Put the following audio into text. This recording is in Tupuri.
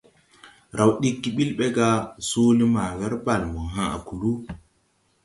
Raw diggi ɓil ɓɛ ga soole ma wɛr Bale mo hãʼ kluu.